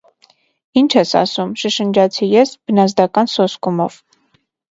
- Ի՞նչ ես ասում,- շշնջացի ես բնազդական սոսկումով: